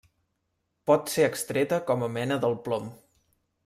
Pot ser extreta com a mena del plom.